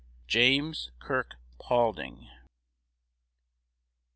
JAMES KIRKE PAULDING.